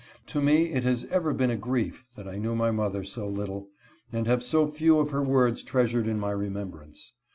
To me it has ever been a grief that I knew my mother so little, and have so few of her words treasured in my remembrance.